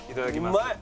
うまい。